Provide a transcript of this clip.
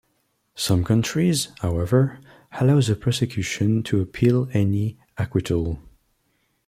Some countries, however, allow the prosecution to appeal any acquittal.